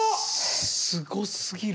すごすぎる！